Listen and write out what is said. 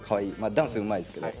ダンスうまいですけど。